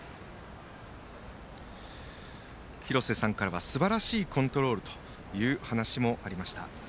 廣瀬さんからはすばらしいコントロールという話もありました。